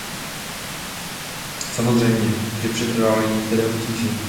Samozřejmě, že přetrvávají některé obtíže.